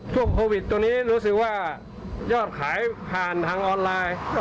ช่วงโควิดตรงนี้รู้สึกว่ายอดขายผ่านทางออนไลน์